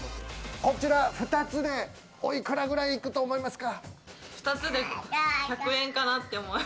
２つで、おいくらぐらいいくと思いますか？